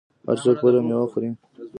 هر څوک خپله میوه خوري.